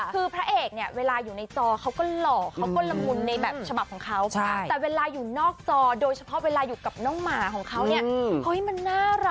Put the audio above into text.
ก็ตอบว่าทุกลูกคุณผู้ชมนี่ฉันไม่รู้จะกอดหมาหรือกอดคนเลยหรอ